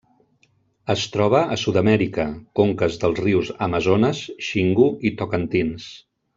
Es troba a Sud-amèrica: conques dels rius Amazones, Xingu i Tocantins.